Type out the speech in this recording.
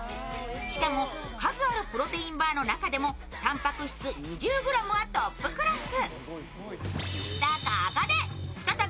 しかも数あるプロテインバーの中でもたんぱく質２０ｇはトップクラス。